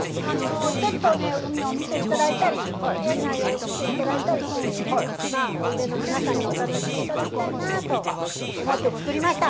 ちょっと、海を見ていただいたり、園内見ていただいたりして、まあ、おいでの皆さんにお楽しみいただきたいなと思って、造りました。